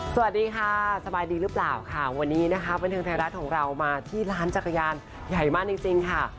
สวัสดีค่ะสบายดีหรือเปล่าค่ะวันนี้นะคะบันเทิงไทยรัฐของเรามาที่ร้านจักรยานใหญ่มากจริงจริงค่ะ